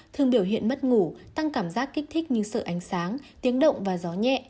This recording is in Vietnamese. thường biểu hiện mất ngủ tăng cảm giác kích thích như sợ ánh sáng tiếng động và gió nhẹ